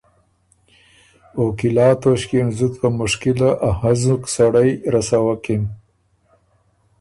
او قلعه توݭکيې ن زُت په مشکله ا هنزُک سړئ رسوکِن۔